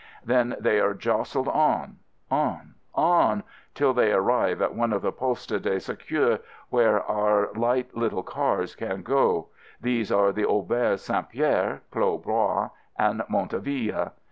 Then they are jostled on — on — on — till they arrive at one of the postes de secour, where our light little cars can go — these are at Auberge St. Pierre, Clos Bois, and Montauville.